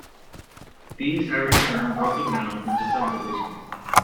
These are in turn broken down into subdivisions.